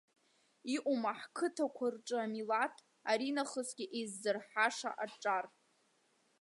Иҟоума ҳқыҭақәа рҿы амилаҭ аринахысгьы еиззырҳаша аҿар?